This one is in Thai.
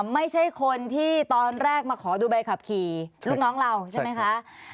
ไม่ใช่คนที่ตอนแรกมาขอดูใบขับขี่ลูกน้องเราใช่ไหมคะ